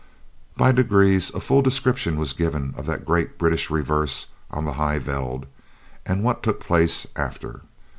By degrees a full description was given of that great British reverse on the High Veld and what took place after.